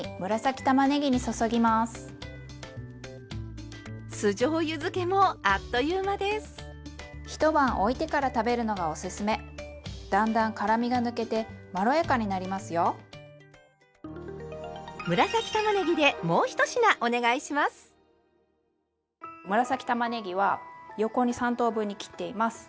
紫たまねぎは横に３等分に切っています。